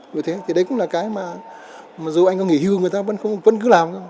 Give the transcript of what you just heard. vậy thế thì đấy cũng là cái mà dù anh có nghỉ hưu người ta vẫn cứ làm